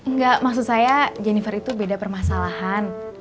nggak maksud saya gineper itu beda permasalahan